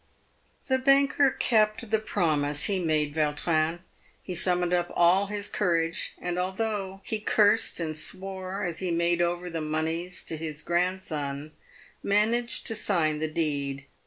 The banker kept the promise he made Vautrin. He summoned up all his courage, and although he cursed and swore as he made over the moneys to his grandson, managed to sign the deed.